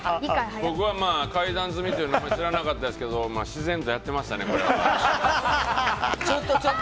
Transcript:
僕は階段積みというの知らなかったですけど自然とやってましたね、これは。